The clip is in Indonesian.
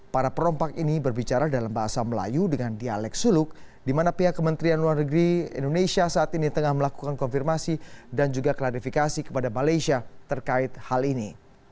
para perompak ini berbicara dalam bahasa melayu dengan dialek suluk di mana pihak kementerian luar negeri indonesia saat ini tengah melakukan konfirmasi dan juga klarifikasi kepada malaysia terkait hal ini